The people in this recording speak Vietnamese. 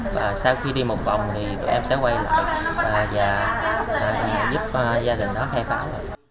và sau khi đi một vòng thì tụi em sẽ quay lại và giúp gia đình đó khai báo